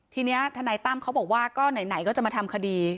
ทีนี้ทนายตั้มเขาบอกว่าก็ไหนก็จะมาทำคดี